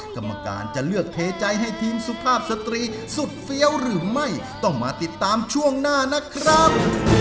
กรรมการจะเลือกเทใจให้ทีมสุภาพสตรีสุดเฟี้ยวหรือไม่ต้องมาติดตามช่วงหน้านะครับ